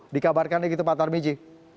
dikabarkannya gitu pak sutar miji